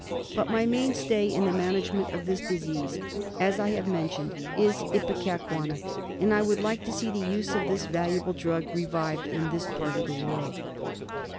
But my mainstay in the management of this disease, as I have mentioned, is Ipecacuanha, and I would like to see the use of this valuable drug revived in this part of the world.